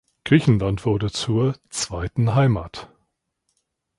Griechenland wurde zur „zweiten Heimat“.